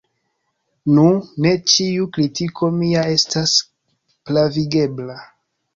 Nu, ne ĉiu kritiko mia estas pravigebla.